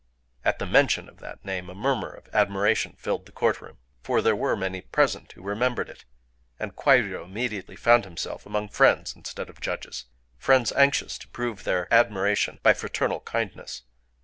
At the mention of that name, a murmur of admiration filled the court room; for there were many present who remembered it. And Kwairyō immediately found himself among friends instead of judges,—friends anxious to prove their admiration by fraternal kindness.